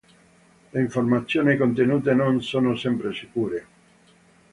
Le informazioni contenute non sono sempre sicure.